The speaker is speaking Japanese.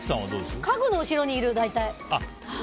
家具の後ろにいる、大体。